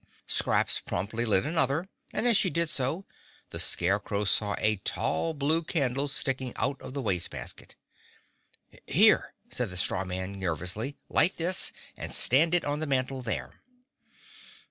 Scraps promptly lit another and as she did so the Scarecrow saw a tall blue candle sticking out of the waste basket. "Here," said the Straw Man nervously. "Light this and stand it on the mantel there."